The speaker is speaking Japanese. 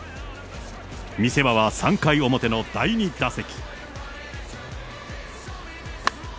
見せ場は３回表の第２打席。